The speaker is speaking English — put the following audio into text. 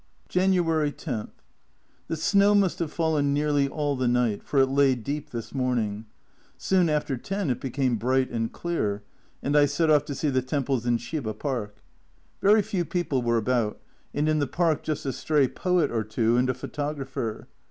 January 10. The snow must have fallen nearly all the night, for it lay deep this morning. Soon after 10 it became bright and clear, and I set off to see the temples in Shiba Park. Very few people were about, and in the park just a stray poet or two and a photographer.